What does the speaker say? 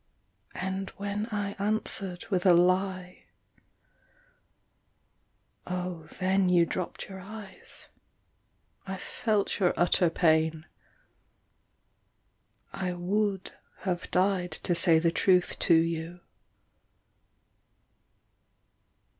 And when I answered with a lie. Oh then You dropped your eyes. I felt your utter pain. I would have died to say the truth to you.